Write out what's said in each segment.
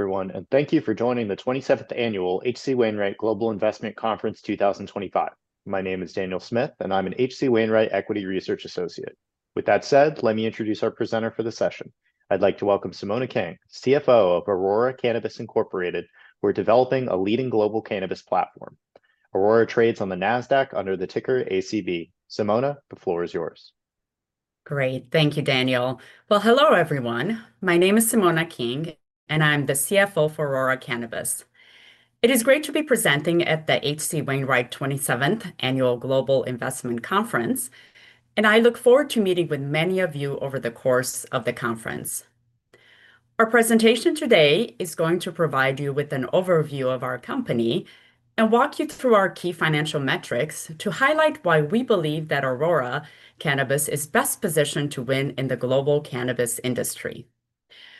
Everyone, and thank you for joining the 27th Annual H.C. Wainwright Global Investment Conference 2025. My name is Daniel Smith, and I'm an H.C. Wainwright Equity Research Associate. With that said, let me introduce our presenter for the session. I'd like to welcome Simona King, CFO of Aurora Cannabis Inc, who is developing a leading global cannabis platform. Aurora trades on the Nasdaq under the ticker ACB. Simona, the floor is yours. Great. Thank you, Daniel. Hello everyone. My name is Simona King, and I'm the CFO for Aurora Cannabis. It is great to be presenting at the H.C. Wainwright 27th Annual Global Investment Conference, and I look forward to meeting with many of you over the course of the conference. Our presentation today is going to provide you with an overview of our company and walk you through our key financial metrics to highlight why we believe that Aurora Cannabis is best positioned to win in the global cannabis industry.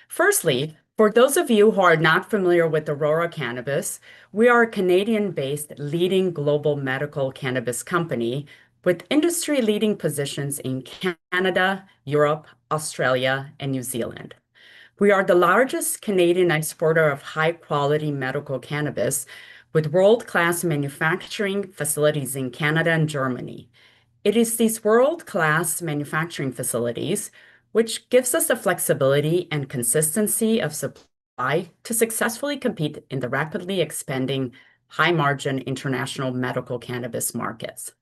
Firstly, for those of you who are not familiar with Aurora Cannabis, we are a Canadian-based leading global medical cannabis company with industry-leading positions in Canada, Europe, Australia, and New Zealand. We are the largest Canadian exporter of high-quality medical cannabis with world-class manufacturing facilities in Canada and Germany. It is these world-class manufacturing facilities which give us the flexibility and consistency of supply to successfully compete in the rapidly expanding high-margin international medical cannabis markets.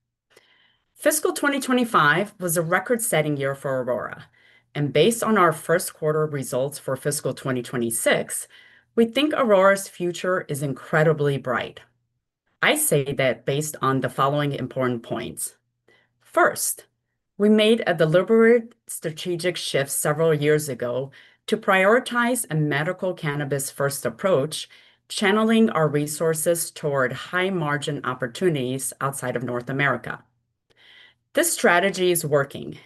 Fiscal 2025 was a record-setting year for Aurora, and based on our first quarter results for fiscal 2026, we think Aurora's future is incredibly bright. I say that based on the following important points. First, we made a deliberate strategic shift several years ago to prioritize a medical cannabis-first approach, channeling our resources toward high-margin opportunities outside of North America. This strategy is working,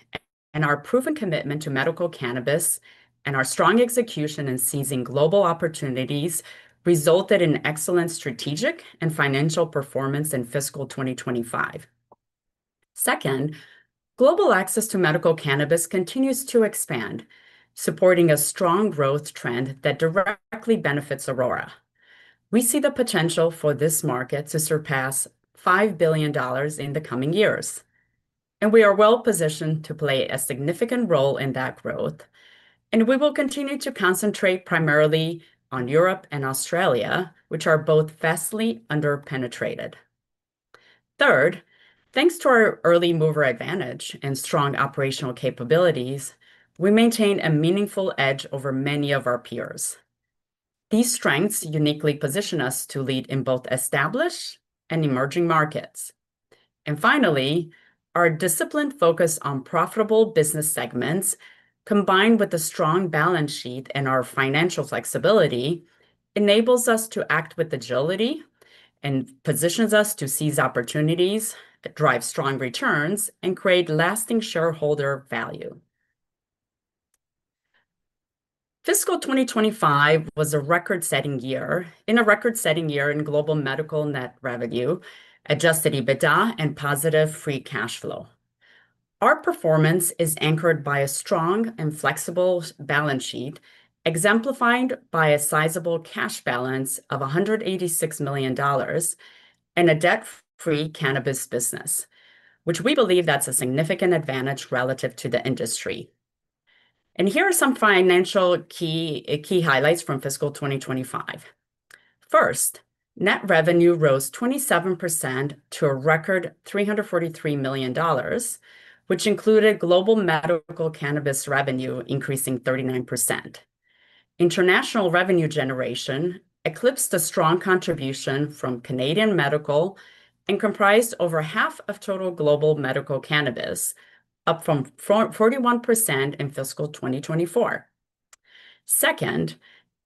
and our proven commitment to medical cannabis and our strong execution in seizing global opportunities resulted in excellent strategic and financial performance in fiscal 2025. Second, global access to medical cannabis continues to expand, supporting a strong growth trend that directly benefits Aurora. We see the potential for this market to surpass $5 billion in the coming years, and we are well positioned to play a significant role in that growth, and we will continue to concentrate primarily on Europe and Australia, which are both vastly under-penetrated. Third, thanks to our early mover advantage and strong operational capabilities, we maintain a meaningful edge over many of our peers. These strengths uniquely position us to lead in both established and emerging markets, and finally, our disciplined focus on profitable business segments, combined with a strong balance sheet and our financial flexibility, enables us to act with agility and positions us to seize opportunities, drive strong returns, and create lasting shareholder value. Fiscal 2025 was a record-setting year in global medical net revenue, adjusted EBITDA, and positive free cash flow. Our performance is anchored by a strong and flexible balance sheet, exemplified by a sizable cash balance of 186 million dollars and a debt-free cannabis business, which we believe that's a significant advantage relative to the industry, and here are some financial key highlights from fiscal 2025. First, net revenue rose 27% to a record 343 million dollars, which included global medical cannabis revenue increasing 39%. International revenue generation eclipsed a strong contribution from Canadian medical and comprised over half of total global medical cannabis, up from 41% in fiscal 2024. Second,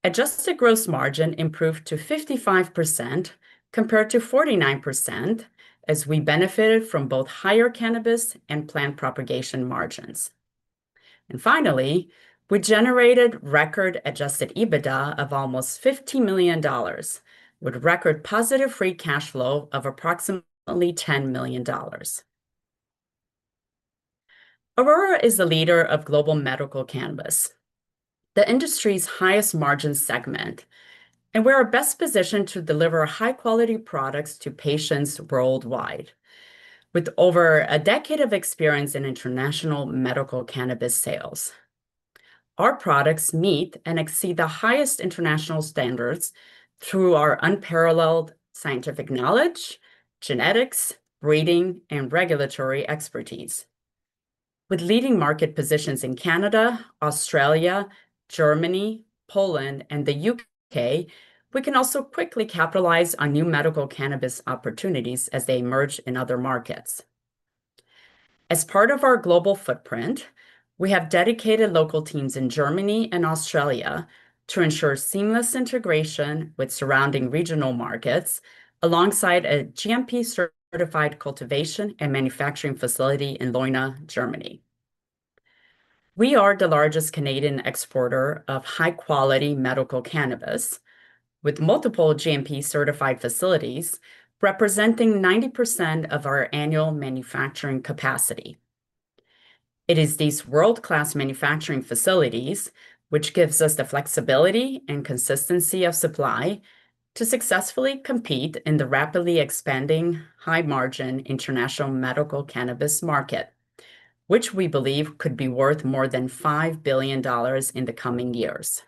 adjusted gross margin improved to 55% compared to 49%, as we benefited from both higher cannabis and plant propagation margins, and finally, we generated record adjusted EBITDA of almost 50 million dollars, with record positive free cash flow of approximately 10 million dollars. Aurora is the leader of global medical cannabis, the industry's highest margin segment, and we are best positioned to deliver high-quality products to patients worldwide, with over a decade of experience in international medical cannabis sales. Our products meet and exceed the highest international standards through our unparalleled scientific knowledge, genetics, breeding, and regulatory expertise. With leading market positions in Canada, Australia, Germany, Poland, and the U.K., we can also quickly capitalize on new medical cannabis opportunities as they emerge in other markets. As part of our global footprint, we have dedicated local teams in Germany and Australia to ensure seamless integration with surrounding regional markets, alongside a GMP-certified cultivation and manufacturing facility in Leuna, Germany. We are the largest Canadian exporter of high-quality medical cannabis, with multiple GMP-certified facilities representing 90% of our annual manufacturing capacity. It is these world-class manufacturing facilities which give us the flexibility and consistency of supply to successfully compete in the rapidly expanding high-margin international medical cannabis market, which we believe could be worth more than $5 billion in the coming years.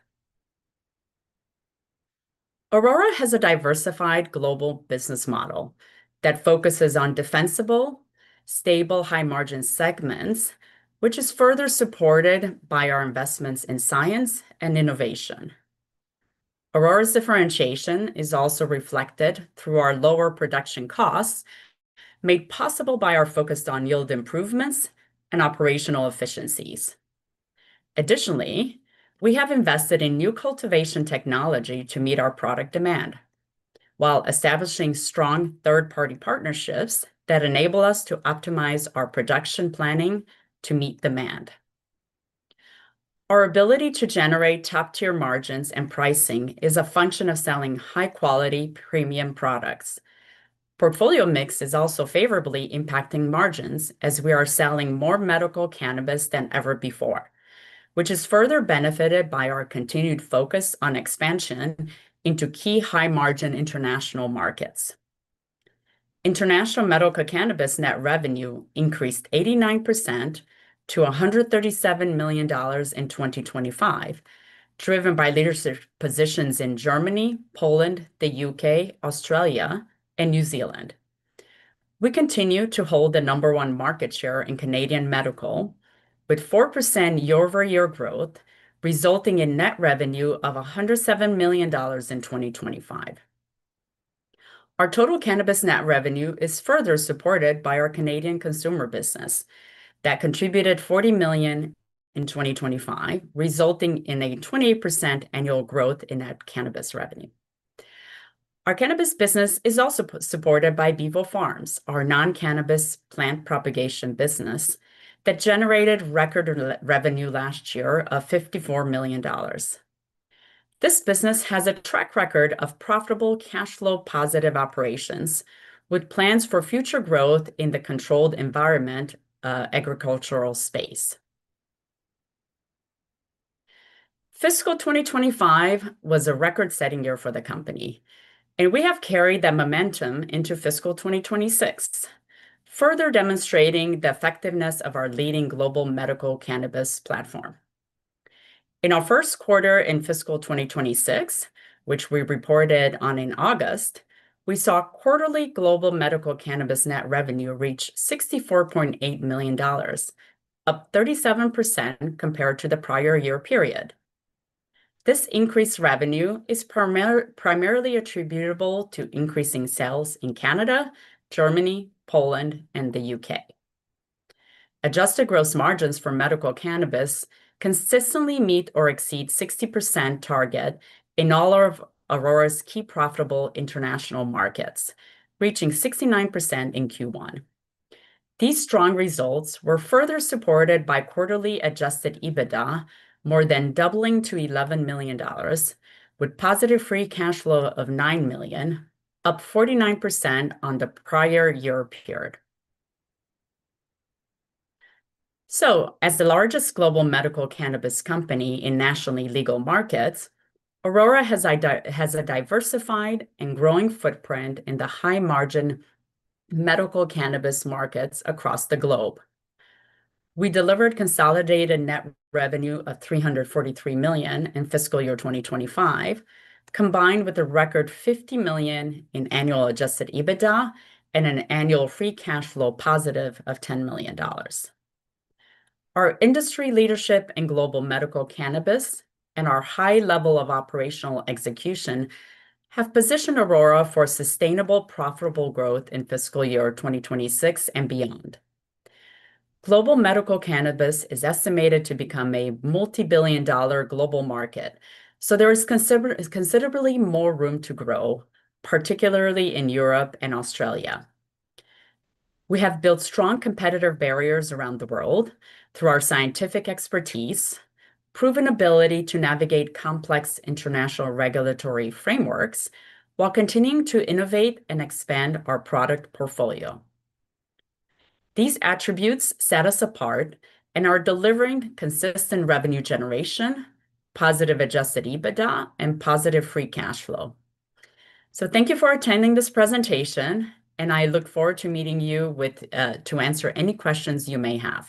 Aurora has a diversified global business model that focuses on defensible, stable, high-margin segments, which is further supported by our investments in science and innovation. Aurora's differentiation is also reflected through our lower production costs, made possible by our focus on yield improvements and operational efficiencies. Additionally, we have invested in new cultivation technology to meet our product demand, while establishing strong third-party partnerships that enable us to optimize our production planning to meet demand. Our ability to generate top-tier margins and pricing is a function of selling high-quality premium products. Portfolio mix is also favorably impacting margins as we are selling more medical cannabis than ever before, which is further benefited by our continued focus on expansion into key high-margin international markets. International medical cannabis net revenue increased 89% to 137 million dollars in 2025, driven by leadership positions in Germany, Poland, the U.K., Australia, and New Zealand. We continue to hold the number one market share in Canadian medical, with 4% year-over-year growth resulting in net revenue of 107 million dollars in 2025. Our total cannabis net revenue is further supported by our Canadian consumer business that contributed 40 million in 2025, resulting in a 28% annual growth in net cannabis revenue. Our cannabis business is also supported by Bevo Farms, our non-cannabis plant propagation business that generated record revenue last year of 54 million dollars. This business has a track record of profitable cash flow positive operations, with plans for future growth in the controlled environment agricultural space. Fiscal 2025 was a record-setting year for the company, and we have carried that momentum into fiscal 2026, further demonstrating the effectiveness of our leading global medical cannabis platform. In our first quarter in fiscal 2026, which we reported on in August, we saw quarterly global medical cannabis net revenue reach 64.8 million dollars, up 37% compared to the prior year period. This increased revenue is primarily attributable to increasing sales in Canada, Germany, Poland, and the U.K. Adjusted gross margins for medical cannabis consistently meet or exceed 60% target in all of Aurora's key profitable international markets, reaching 69% in Q1. These strong results were further supported by quarterly adjusted EBITDA more than doubling to 11 million dollars, with positive free cash flow of 9 million, up 49% on the prior year period. So, as the largest global medical cannabis company in nationally legal markets, Aurora has a diversified and growing footprint in the high-margin medical cannabis markets across the globe. We delivered consolidated net revenue of 343 million in fiscal year 2025, combined with a record 50 million in annual adjusted EBITDA and an annual free cash flow positive of 10 million dollars. Our industry leadership in global medical cannabis and our high level of operational execution have positioned Aurora for sustainable, profitable growth in fiscal year 2026 and beyond. Global medical cannabis is estimated to become a multi-billion-dollar global market, so there is considerably more room to grow, particularly in Europe and Australia. We have built strong competitive barriers around the world through our scientific expertise, proven ability to navigate complex international regulatory frameworks, while continuing to innovate and expand our product portfolio. These attributes set us apart and are delivering consistent revenue generation, positive adjusted EBITDA, and positive free cash flow. So, thank you for attending this presentation, and I look forward to meeting you to answer any questions you may have.